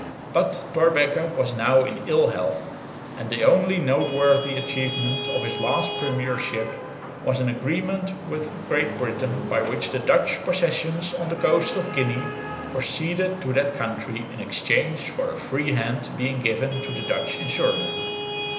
But Thorbecke was now in ill health, and the only noteworthy achievement of his last premiership was an agreement with Great Britain by which the Dutch possessions on the coast of Guinea were ceded to that country in exchange for a free hand being given to the Dutch in Surinam.